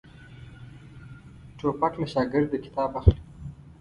توپک له شاګرده کتاب اخلي.